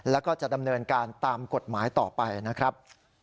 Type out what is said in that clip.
แล้วก็จะดำเนินการตามกฎหมายต่อไปนะครับ